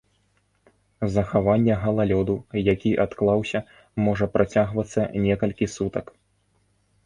Захаванне галалёду, які адклаўся, можа працягвацца некалькі сутак.